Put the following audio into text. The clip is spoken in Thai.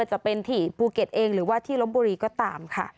จะเป็นที่ภูเก็ตเองหรือว่าที่ลบบุรีก็ตามค่ะ